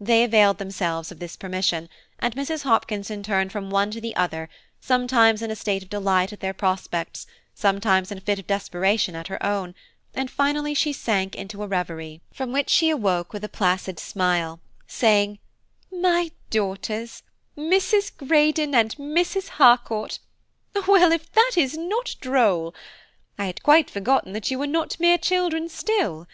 They availed themselves of this permission, and Mrs. Hopkinson turned from one to the other, sometimes in a state of delight at their prospects, sometimes in a fit of desperation at her own, and finally she sank into a reverie, from which she awoke with a placid smile, saying, "My daughters, Mrs. Greydon and Mrs. Harcourt; well, if that is not droll; I had quite forgotten that you were not mere children still.